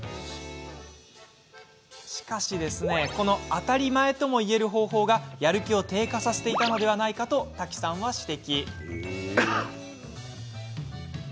しかし、この当たり前ともいえる方法がやる気を低下させていたのではないかと瀧さんは指摘。